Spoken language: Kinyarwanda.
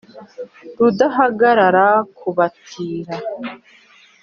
rudahagarara ku batira,